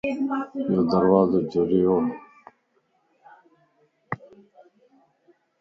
يو دروازو جريووَ